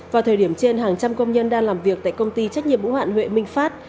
vào thời điểm trên hàng trăm công nhân đang làm việc tại công ty trách nhiệm ưu hoạn huệ minh pháp